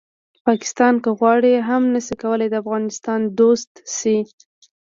پاکستان که وغواړي هم نه شي کولی د افغانستان دوست شي